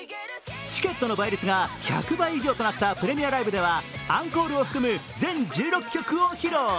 チケットの倍率が１００倍以上となったプレミアライブでは、アンコールを含む全１６曲を披露。